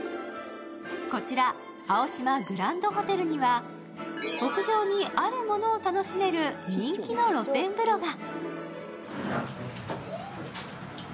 こちら青島グランドホテルには屋上に、あるものを楽しめる人気の露天風呂が。